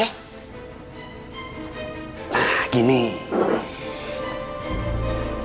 bukin lama tidak bisa